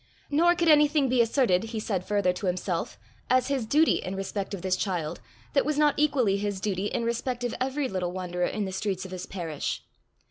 Nor could anything be asserted, he said further to himself, as his duty in respect of this child, that was not equally his duty in respect of every little wanderer in the streets of his parish.